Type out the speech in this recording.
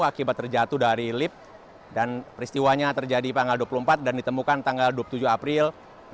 akibat terjatuh dari lift dan peristiwanya terjadi tanggal dua puluh empat dan ditemukan tanggal dua puluh tujuh april dua ribu dua puluh